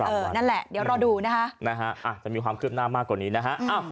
นั่นแหละเดี๋ยวรอดูนะฮะนะฮะอาจจะมีความคืบหน้ามากกว่านี้นะฮะ